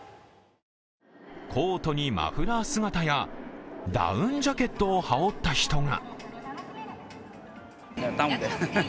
コートにマフラー姿やダウンジャケットを羽織った人が。